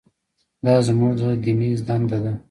دا زموږ دیني دنده ده.